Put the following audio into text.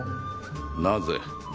なぜ？